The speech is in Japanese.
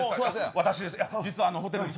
私です。